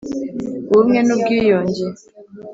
ubumwe n ubwiyunge